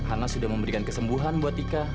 hana sudah memberikan kesembuhan buat tika